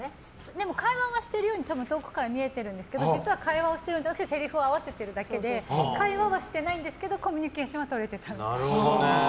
でも会話はしてるように遠くからは見えてるんですけど実は会話をしてるんじゃなくてせりふを合わせてるだけで会話はしてないんですけどコミュニケーションは取れてた。